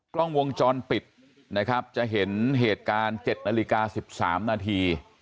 กล้องวงจรปิดนะครับจะเห็นเหตุการณ์๗นาฬิกา๑๓นาที